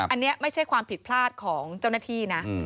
อันนี้ไม่ใช่ความผิดพลาดของเจ้าหน้าที่นะ